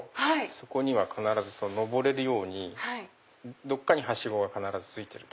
そこには必ず上れるようにどっかにハシゴがついてる。